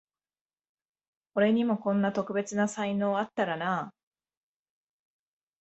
俺にもこんな特別な才能あったらなあ